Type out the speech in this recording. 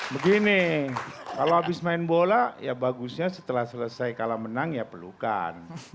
begini kalau habis main bola ya bagusnya setelah selesai kalah menang ya pelukan